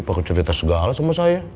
pakai cerita segala sama saya